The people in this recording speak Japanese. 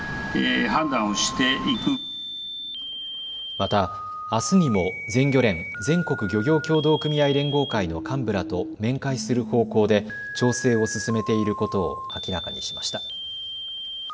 また、あすにも全漁連・全国漁業協同組合連合会の幹部らと面会する方向で調整を進めていることを明らかにしました。